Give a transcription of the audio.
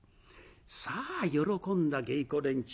さあ喜んだ芸子連中